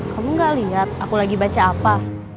kamu gak lihat aku lagi baca apa